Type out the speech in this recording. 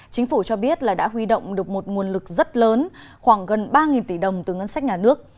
chính phủ cho biết là đã huy động được một nguồn lực rất lớn khoảng gần ba tỷ đồng từ ngân sách nhà nước